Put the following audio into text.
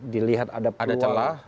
dilihat ada peluang